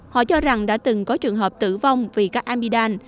họ cho rằng đã từng có trường hợp tử vong vì các amidam